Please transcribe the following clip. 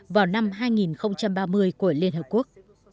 vào năm hai nghìn ba mươi của liên hợp quốc